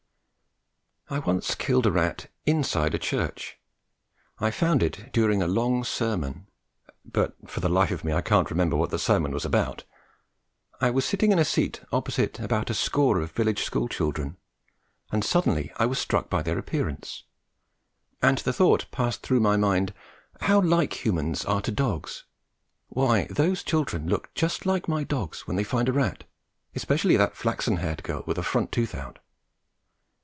I once killed a rat inside a church. I found it during a long sermon, but for the life of me I can't remember what that sermon was about. I was sitting in a seat opposite about a score of village school children, and suddenly I was struck by their appearance, and the thought passed through my mind, "How like humans are to dogs! Why, those children look just like my dogs when they find a rat, especially that flaxen haired girl with a front tooth out."